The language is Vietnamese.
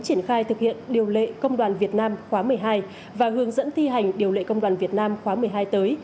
triển khai thực hiện điều lệ công đoàn việt nam khóa một mươi hai và hướng dẫn thi hành điều lệ công đoàn việt nam khóa một mươi hai tới